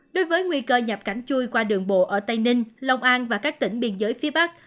đối với nguy cơ nhập cảnh chui qua đường bộ ở tây ninh long an và các tỉnh biên giới phía bắc